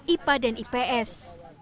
ipa dan ips